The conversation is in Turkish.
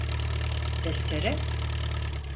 Testere?